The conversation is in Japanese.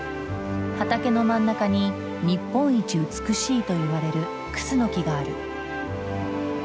畑の真ん中に日本一美しいといわれるクスノキがある。